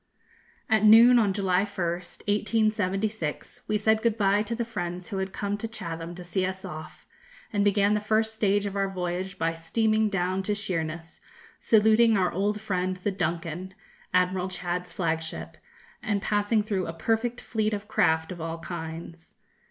_ At noon on July 1st, 1876, we said good bye to the friends who had come to Chatham to see us off, and began the first stage of our voyage by steaming down to Sheerness, saluting our old friend the 'Duncan,' Admiral Chads's flagship, and passing through a perfect fleet of craft of all kinds.